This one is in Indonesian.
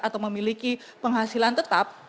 atau memiliki penghasilan tetap